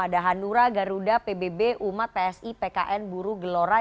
ada hanura garuda pbb umat psi pkn buruh gelora